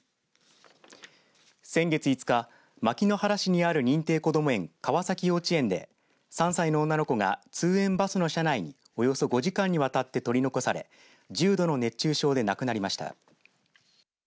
先月５日牧之原市にある認定こども園川崎幼稚園で３歳の女の子が通園バスの車内におよそ５時間にわたって取り残され重度の熱中症で亡くなりました。